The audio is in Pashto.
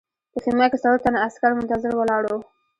په خیمه کې څلور تنه عسکر منتظر ولاړ وو